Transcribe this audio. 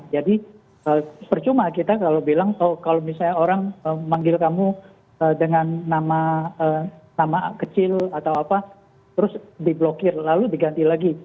jadi percuma kita kalau bilang kalau misalnya orang manggil kamu dengan nama kecil atau apa terus diblokir lalu diganti lagi